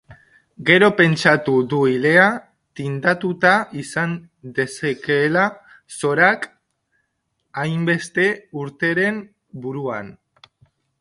Gero pentsatu du ilea tindatuta izan dezakeela Sorak hainbeste urteren buruan.